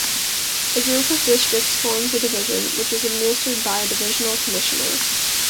A group of districts forms a division, which is administered by a 'Divisional Commissioner'.